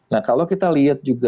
nah kalau kita lihat juga